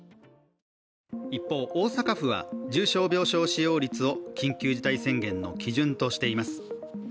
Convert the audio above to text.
一方、大阪府は重症病床使用率を緊急事態宣言の基準としています。